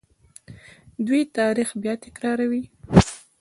دوی تاریخ بیا تکراروي.